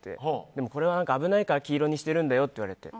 でも、これは危ないから黄色にしているんだよと言われて。